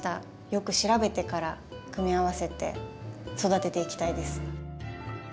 よく調べてから組み合わせて育てていきたいです。